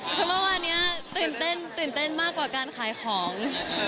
คือเมื่อวานนี้ตื่นเต้นตื่นเต้นมากกว่าการขายของ